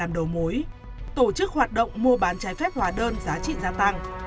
làm đầu mối tổ chức hoạt động mua bán trái phép hóa đơn giá trị gia tăng